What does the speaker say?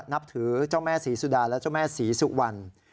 นับถือเจ้าแม่ศรีสุดาและเจ้าแม่ศรีสุวรรณ